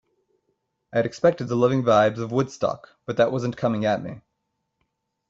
I had expected the loving vibes of Woodstock but that wasn't coming at me.